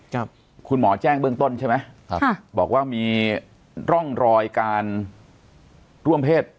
ครับคุณหมอแจ้งเบื้องต้นใช่ไหมครับค่ะบอกว่ามีร่องรอยการร่วมเพศ